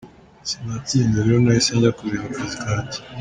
Sinatinze rero nahise njya kureba akazi kanjye.”